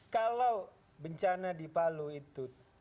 kalau bencana di palu itu